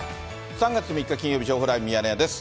３月３日金曜日、情報ライブミヤネ屋です。